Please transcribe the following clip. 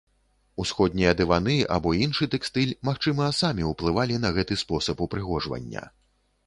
Усходнія дываны або іншы тэкстыль, магчыма, самі уплывалі на гэты спосаб упрыгожвання.